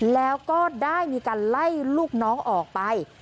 แล้วก็ได้มีการไล่ลูกน้องออกไป